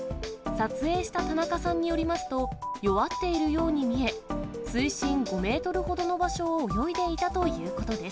撮影した田中さんによりますと、弱っているように見え、水深５メートルほどの場所を泳いでいたということです。